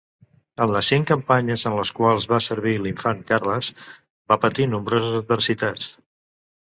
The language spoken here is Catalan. En les cinc campanyes en les quals va servir l'Infant Carles, va patir nombroses adversitats.